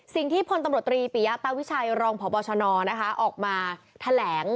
สิ่งที่พตรปียตวิชัยรองพบชนอออกมาแถลง